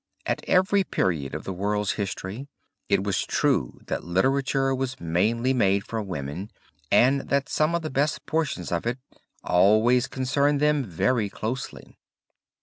At every period of the world's history it was true that literature was mainly made for women and that some of the best portions of it always concerned them very closely.